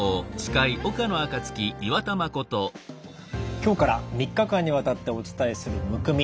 今日から３日間にわたってお伝えするむくみ。